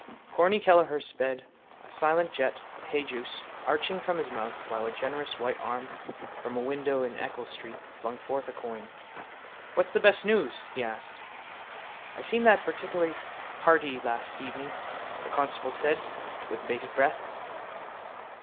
Corny Kelleher sped a silent jet of hayjuice arching from his mouth while a generous white arm from a window in Eccles street flung forth a coin. —What's the best news? he asked. —I seen that particular party last evening, the constable said with bated breath.